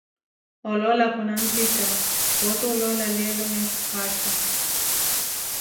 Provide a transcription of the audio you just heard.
oloola khuna ntita, pooti oloola leelo meecho kwaasha.